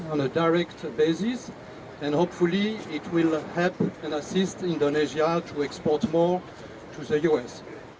ini adalah basis yang langsung dan semoga dapat membantu indonesia untuk ekspor lebih banyak ke as